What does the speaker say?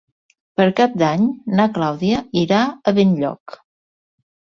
Per Cap d'Any na Clàudia irà a Benlloc.